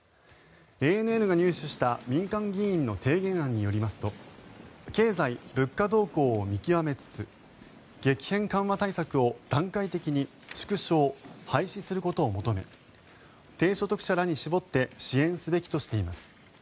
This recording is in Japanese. ＡＮＮが入手した民間議員の提言案によりますと経済・物価動向を見極めつつ激変緩和対策を段階的に縮小・廃止することを求め低所得者らに絞って支援すべきとしています。